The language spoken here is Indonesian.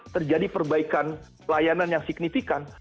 terjadi perbaikan layanan yang signifikan